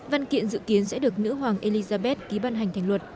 văn kiện dự kiến sẽ được nữ hoàng elizabeth ký ban hành thành luật